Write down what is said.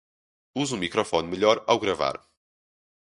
Use um microfone melhor ao gravar